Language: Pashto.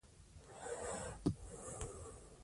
اقبال خان ویلي وو چې دا قبر داسې دی.